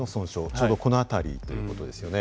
ちょうどこの辺りということですよね。